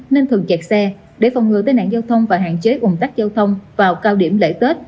nên thường chạy xe để phòng ngừa tên ảnh giao thông và hạn chế ủng tắc giao thông vào cao điểm lễ tết